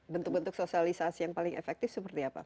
bentuk bentuk sosialisasi yang paling efektif seperti apa